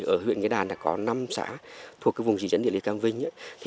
ở huyện nghĩa đan có năm xã thuộc vùng chỉ diễn địa lý cam vinh